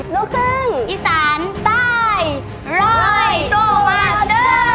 ลูกคึ้งอีสานตายรอยโซมาสเตอร์